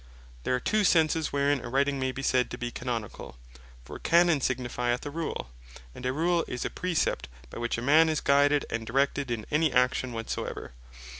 Of The Power To Make Scripture Law There be two senses, wherein a Writing may be said to be Canonicall; for Canon, signifieth a Rule; and a Rule is a Precept, by which a man is guided, and directed in any action whatsoever.